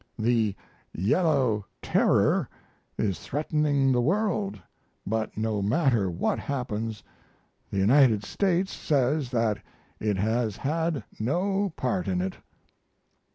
The "Yellow Terror" is threatening the world, but no matter what happens the United States says that it has had no part in it.